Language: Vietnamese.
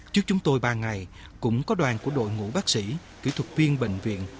trước chúng tôi ba ngày cũng có đoàn của đội ngũ bác sĩ kỹ thuật viên bệnh viện một trăm bảy mươi năm